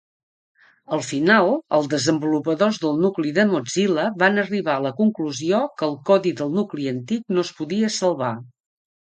Al final, els desenvolupadors del nucli de Mozilla van arribar a la conclusió que el codi del nucli antic no es podia salvar.